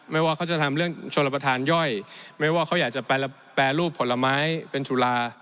ว่าเขาจะทำเรื่องชนประธานย่อยไม่ว่าเขาอยากจะแปรรูปผลไม้เป็นจุฬา